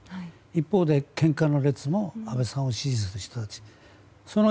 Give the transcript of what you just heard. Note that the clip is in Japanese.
一方で献花で安倍さんを支持する人たち。